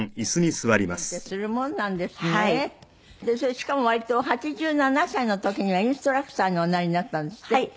しかも割と８７歳の時にはインストラクターにおなりになったんですって？